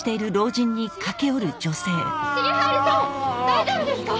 大丈夫ですか！？